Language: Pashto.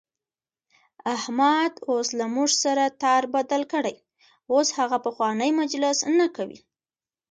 احمد اوس له موږ سره تار بدل کړی، اوس هغه پخوانی مجلس نه کوي.